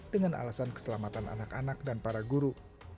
dengan alasan keselamatan anak anak dan para guru